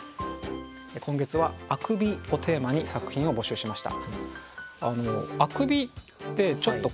今月は「あくび」をテーマに作品を募集しました。